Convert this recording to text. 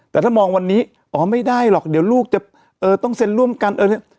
แต่ถ้ามองวันนี้อ๋อไม่ได้หรอกเดี๋ยวลูกจะต้องเซ็นร่วมกันเออ